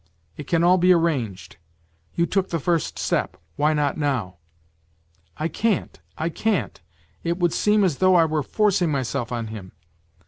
It can all be arranged ! You took the first step why not now ?"" I can't. I can't ! It would seem as though I were forcing myself on him.